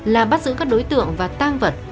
là bắt giữ các đối tượng và tang vật